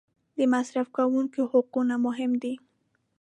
د مصرف کوونکي حقونه مهم دي.